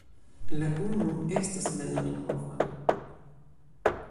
La unu estas la zamenhofa.